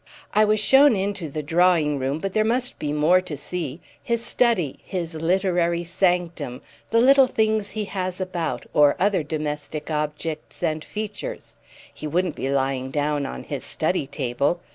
"I was shown into the drawing room, but there must be more to see—his study, his literary sanctum, the little things he has about, or other domestic objects and features. He wouldn't be lying down on his study table?